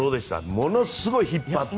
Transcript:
ものすごい引っ張って。